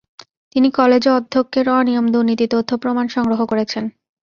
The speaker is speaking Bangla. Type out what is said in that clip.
তিনি কলেজে অধ্যক্ষের অনিয়ম দুর্নীতির তথ্য প্রমাণ সংগ্রহ করেছেন।